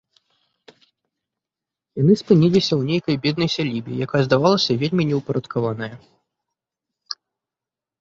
Яны спыніліся ў нейкай беднай сялібе, якая здавалася вельмі неўпарадкаваная.